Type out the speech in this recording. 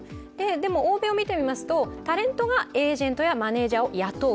でも、欧米を見てみますと、タレントがマネージャーを雇う。